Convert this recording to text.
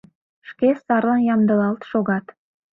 Шке сарлан ямдылалт шогат.